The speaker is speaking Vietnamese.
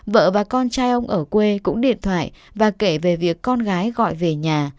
vợ và con trai ông ở quê cũng điện thoại và kể về việc con gái gọi về nhà